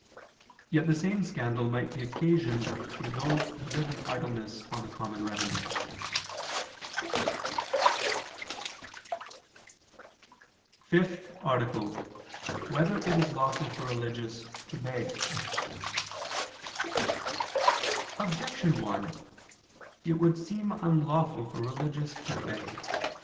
Yet the same scandal might be occasioned through those who live in idleness on the common revenues. _______________________ FIFTH ARTICLE [II II, Q. 187, Art. 5] Whether It Is Lawful for Religious to Beg? Objection 1: It would seem unlawful for religious to beg.